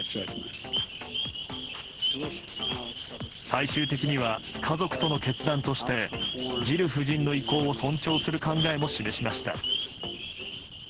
最終的には家族との決断としてジル夫人の意向を尊重する考えも示しました。